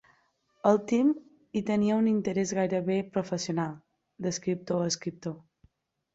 El Tim hi tenia un interès gairebé professional, d'escriptor a escriptor.